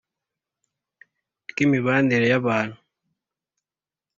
ry'imibanire y'abantu.